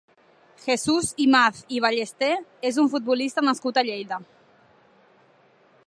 Jesús Imaz i Ballesté és un futbolista nascut a Lleida.